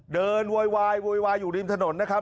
โวยวายโวยวายอยู่ริมถนนนะครับ